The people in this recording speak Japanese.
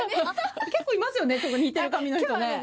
結構いますよね似てる髪の人ね。